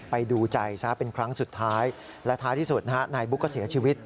ไปดูใจซะเป็นครั้งสุดท้ายและท้ายที่สุดนะฮะนายบุ๊กก็เสียชีวิต